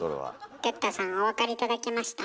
哲太さんお分かり頂けました？